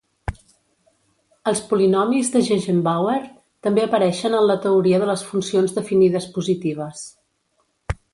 Els polinomis de Gegenbauer també apareixen en la teoria de les funcions definides positives.